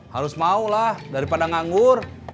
harus maulah daripada nganggur